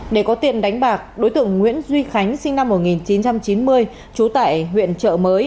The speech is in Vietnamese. để có tiền đánh bạc đối tượng nguyễn duy khánh sinh năm một nghìn chín trăm chín mươi trú tại huyện trợ mới